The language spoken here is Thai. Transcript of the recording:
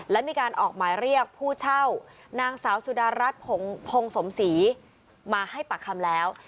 และมีการออกหมายเรียกผู้เช่านางสาวสุดารัฐพงสมศรีมาให้ปากคำแล้ว